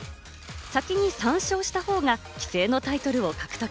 先に３勝した方が棋聖のタイトルを獲得。